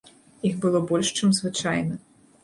Іх было больш чым звычайна.